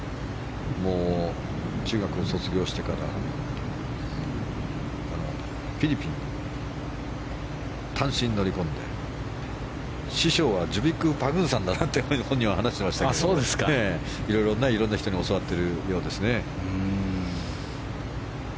中学を卒業してからフィリピンに単身、乗り込んで師匠はパグーさんなんて本人は話してましたけどいろんな人に教わってるようですね。